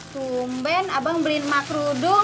sumban abang beliin emak kerudung